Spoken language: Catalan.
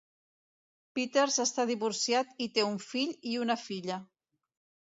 Peters està divorciat i té un fill i una filla.